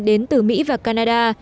đến từ mỹ và canada